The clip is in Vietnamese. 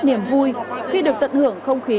niềm vui khi được tận hưởng không khí